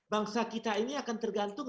bangsa kita ini akan tergantung